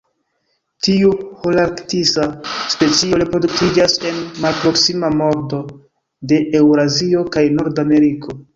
Tiu holarktisa specio reproduktiĝas en malproksima nordo de Eŭrazio kaj Norda Ameriko.